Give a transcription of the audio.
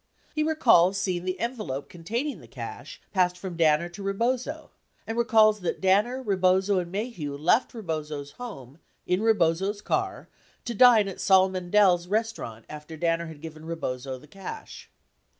He recalls seeing the envelope containing the cash passed from Danner to Bebozo, and recalls that Danner, Bebozo, and Maheu left Bebozo's home in Bebozo's car to dine at Sol Mandel's Bestaurant after Danner had given Bebozo the cash.